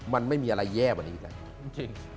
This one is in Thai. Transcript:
นี้มันไม่มีอะไรแย่วันนี้ใช่ไหมจริง